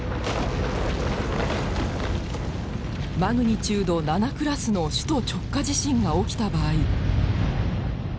マグニチュード７クラスの首都直下地震が起きた場合。